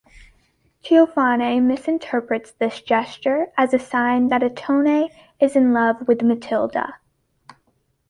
Teofane misinterprets this gesture as a sign that Ottone is in love with Matilda.